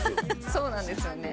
そうなんですよね。